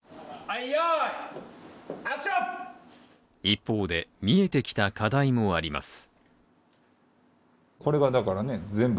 一方で、見えてきた課題もあります。